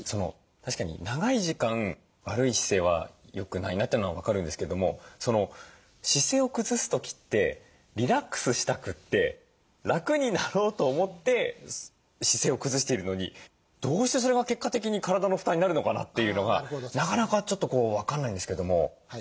確かに長い時間悪い姿勢は良くないなっていうのは分かるんですけども姿勢を崩す時ってリラックスしたくて楽になろうと思って姿勢を崩しているのにどうしてそれが結果的に体の負担になるのかなっていうのがなかなかちょっと分かんないんですけども。